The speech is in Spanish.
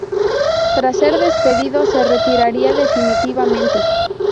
Tras ser despedido, se retiraría definitivamente.